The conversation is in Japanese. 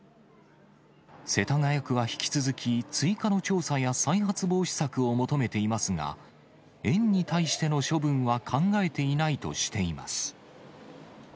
世田谷区は引き続き、追加の調査や再発防止策を求めていますが、園に対しての処分は考えていないとしています。